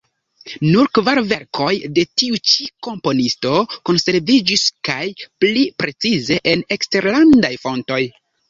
Nur kvar verkoj de tiu ĉi komponisto konserviĝis kaj, pli precize, en eksterlandaj fontoj.